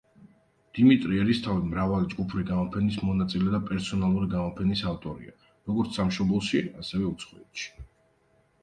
დიმიტრი ერისთავი მრავალი ჯგუფური გამოფენის მონაწილე და პერსონალური გამოფენის ავტორია, როგორც სამშობლოში, ასევე უცხოეთში.